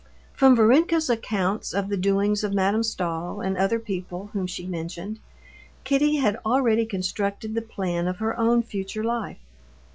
From Varenka's accounts of the doings of Madame Stahl and other people whom she mentioned, Kitty had already constructed the plan of her own future life.